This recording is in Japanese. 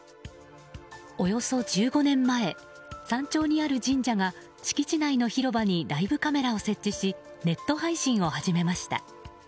およそ１５年前山頂にある神社が敷地内の広場にライブカメラを設置しネット配信を始めました。